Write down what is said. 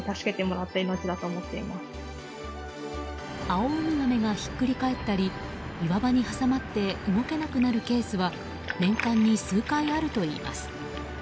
アオウミガメがひっくり返ったり岩場に挟まって動けなくなるケースは年間に数回あるといいます。